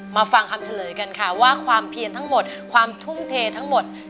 ฟังคำเฉลยกันค่ะว่าความเพียนทั้งหมดความทุ่มเททั้งหมด